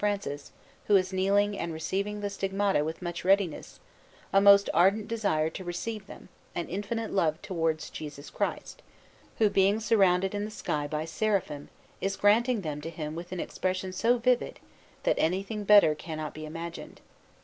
Francis, who is kneeling and receiving the Stigmata with much readiness, a most ardent desire to receive them and infinite love towards Jesus Christ, who, being surrounded in the sky by seraphim, is granting them to him with an expression so vivid that anything better cannot be imagined.